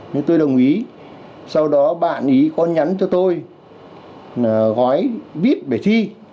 nên tôi đồng ý sau đó bạn ý con nhắn cho tôi gói vip để thi